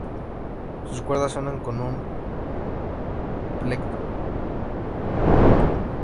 Sus cuerdas suenan con un plectro.